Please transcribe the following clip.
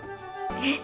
えっ？